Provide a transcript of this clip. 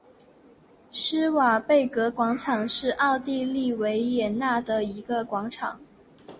施瓦岑贝格广场是奥地利维也纳的一个广场。